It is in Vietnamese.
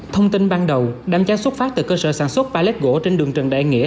thông tin ban đầu đám cháy xuất phát từ cơ sở sản xuất palet gỗ trên đường trần đại nghĩa